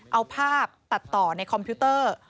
เอาภาพตัดต่อในคอมพิวเตอร์